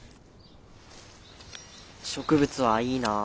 植物はいいな。